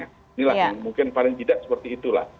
inilah yang mungkin paling tidak seperti itulah